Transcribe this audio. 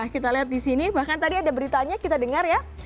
kita lihat di sini bahkan tadi ada beritanya kita dengar ya